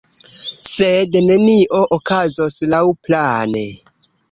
Sed nenio okazos laŭplane.